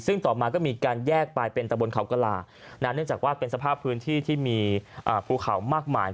ซึ่งต่อมาก็มีการแยกไปเป็นตะบนเขากระลาเนื่องจากว่าเป็นสภาพพื้นที่ที่มีภูเขามากมาย